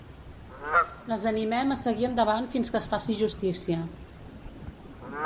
Les animem a seguir endavant fins que es faci justícia.